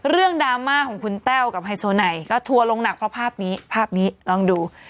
ดราม่าของคุณแต้วกับไฮโซไนก็ทัวร์ลงหนักเพราะภาพนี้ภาพนี้ลองดู